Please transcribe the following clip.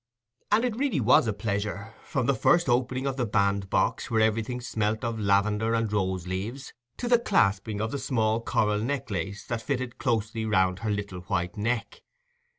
And it was really a pleasure—from the first opening of the bandbox, where everything smelt of lavender and rose leaves, to the clasping of the small coral necklace that fitted closely round her little white neck.